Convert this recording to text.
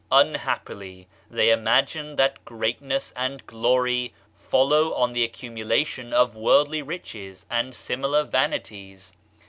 Unhappily they imagine that greatness and glory follow on the accumulation of worldly riches and similar vanities.